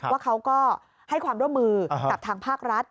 ว่าเขาก็ให้ความร่วมมือกับทางภาครัฐ